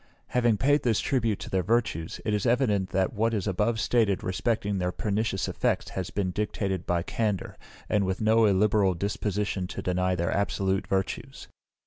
Having paid this tribute to their virtues, it is evident that what is above stated respecting their pernicious effects has been dictated by candour, and with no illiberal disposition to deny their absolute virtues.